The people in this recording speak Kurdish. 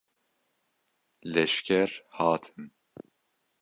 Leşker hatin.